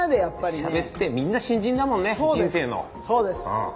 しゃべってみんな新人だもんね人生の。